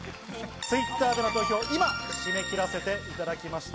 Ｔｗｉｔｔｅｒでの投票は今、締め切らせていただきました。